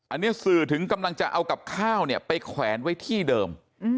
อันนี้สื่อถึงกำลังจะเอากับข้าวเนี่ยไปแขวนไว้ที่เดิม